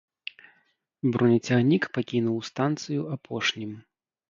Бронецягнік пакінуў станцыю апошнім.